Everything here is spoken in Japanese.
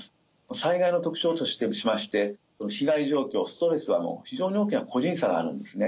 災害の特徴としまして被害状況ストレスは非常に大きな個人差があるんですね。